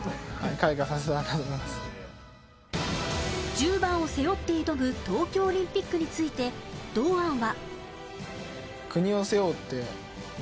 １０番を背負って挑む東京オリンピックについて堂安は。